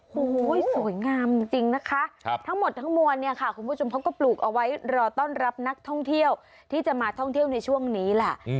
โอ้โหสวยงามจริงนะคะทั้งหมดทั้งมวลเนี่ยค่ะคุณผู้ชมเขาก็ปลูกเอาไว้รอต้อนรับนักท่องเที่ยวที่จะมาท่องเที่ยวในช่วงนี้แหละ